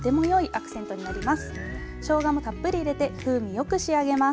しょうがもたっぷり入れて風味よく仕上げます。